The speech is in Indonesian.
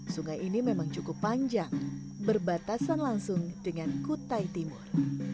sungai ini memang cukup panjang berbatasan langsung dengan kutai timur